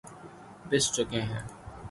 پس چکے ہیں